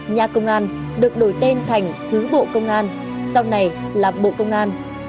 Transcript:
nhà công an được đổi tên thành thứ bộ công an sau này là bộ công an